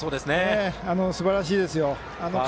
すばらしいですよ。